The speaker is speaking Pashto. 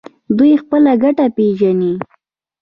دوی خپله ګټه پیژني.